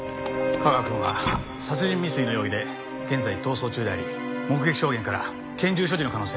架川くんは殺人未遂の容疑で現在逃走中であり目撃証言から拳銃所持の可能性もある。